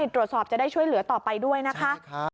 ตรวจสอบจะได้ช่วยเหลือต่อไปด้วยนะคะ